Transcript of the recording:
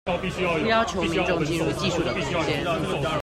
不要求民眾進入技術的空間